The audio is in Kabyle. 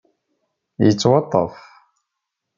Yettwaṭṭef.